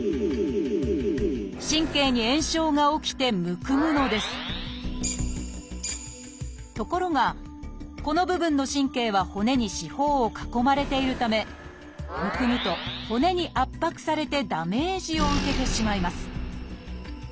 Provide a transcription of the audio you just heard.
神経に炎症が起きてむくむのですところがこの部分の神経は骨に四方を囲まれているためむくむと骨に圧迫されてダメージを受けてしまいます。